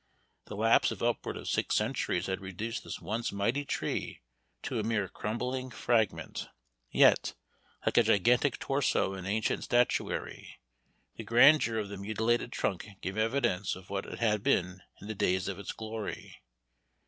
The lapse of upward of six centuries had reduced this once mighty tree to a mere crumbling fragment, yet, like a gigantic torso in ancient statuary, the grandeur of the mutilated trunk gave evidence of what it had been in the days of its glory.